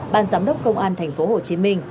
ban giám đốc công an tp hcm